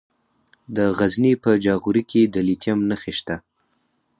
د غزني په جاغوري کې د لیتیم نښې شته.